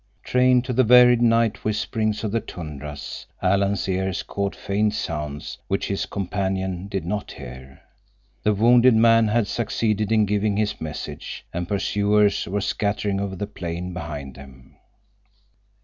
Trained to the varied night whisperings of the tundras Alan's ears caught faint sounds which his companion did not hear. The wounded man had succeeded in giving his message, and pursuers were scattering over the plain behind them.